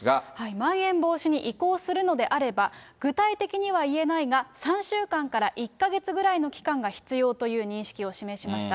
まん延防止に移行するのであれば、具体的には言えないが、３週間から１か月ぐらいの期間が必要という認識を示しました。